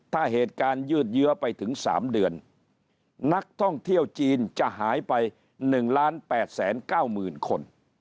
ถ้าเหตุการณ์ยืดเยื้อไปถึง๓เดือนนักท่องเที่ยวจีนจะหายไป๑๘๙๐๐๐คน